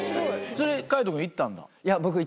それ海人君行ったんだ？